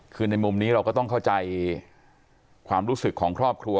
คือในมุมนี้เราก็ต้องเข้าใจความรู้สึกของครอบครัว